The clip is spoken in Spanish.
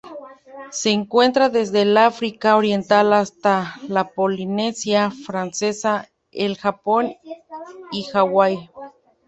Se encuentra desde el África Oriental hasta la Polinesia Francesa, el Japón y Hawaii.